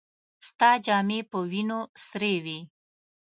ستا جامې په وينو سرې وې.